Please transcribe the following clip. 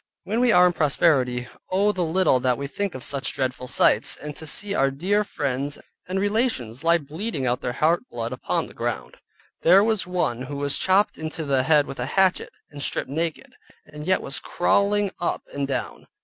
When we are in prosperity, Oh the little that we think of such dreadful sights, and to see our dear friends, and relations lie bleeding out their heart blood upon the ground. There was one who was chopped into the head with a hatchet, and stripped naked, and yet was crawling up and down.